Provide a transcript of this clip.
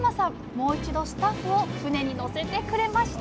もう一度スタッフを船に乗せてくれました！